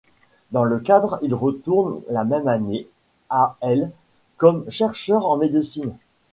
Dans ce cadre il retourne la même année à l’, comme chercheur en médecine.